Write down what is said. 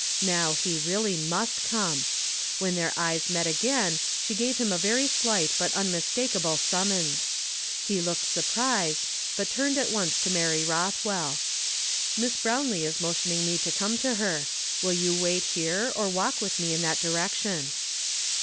Now he really must come. When their eyes met again, she gave him a very slight but unmistakable summons. He looked surprised, but turned at once to Mary Roth well. "Miss Brownlee is motioning me to come to her ; will you wait here, or walk with me in that direction